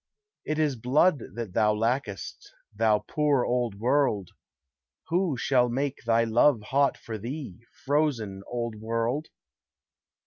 It is blood that thou lackest, thou poor old world! Who shall make thy love hot for thee, frozen old world?